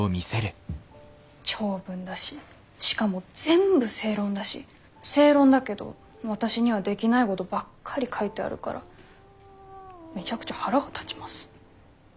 長文だししかも全部正論だし正論だけど私にはできないごどばっかり書いてあるからめちゃくちゃ腹が立ちます。